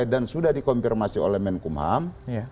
dan sudah dikompirmasi oleh menkumham